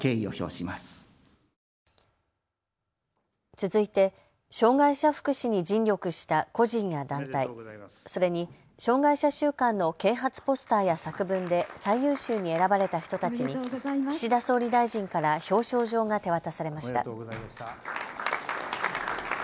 続いて障害者福祉に尽力した個人や団体、それに障害者週間の啓発ポスターや作文で最優秀に選ばれた人たちに岸田総理大臣から表彰状が手渡されました。